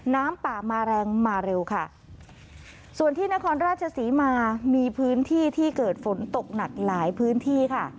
น้ำป่ามาแรงมาเร็วค่ะส่วนที่นครราชศรีมามีพื้นที่ที่เกิดฝนตกหนักหลายพื้นที่ค่ะ